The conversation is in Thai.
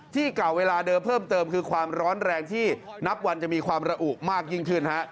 ที่เก่าเวลาเดิมเพิ่มเติมคือความร้อนแรงที่นับวันจะมีความระอุมากยิ่งขึ้นฮะ